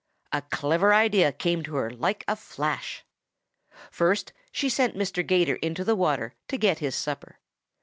A clever idea came to her like a flash. "First she sent Mr. 'Gator into the water to get his supper.